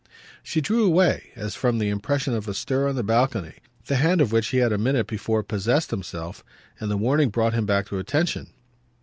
She drew away, as from the impression of a stir on the balcony, the hand of which he had a minute before possessed himself; and the warning brought him back to attention.